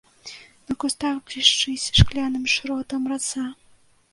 На кустах блішчыць шкляным шротам раса.